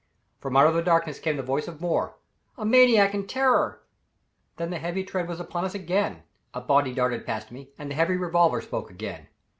From out of the darkness came the voice of Moore: "A maniac in terror!" Then the heavy tread was upon us again, a body darted past me, and the heavy revolver spoke again.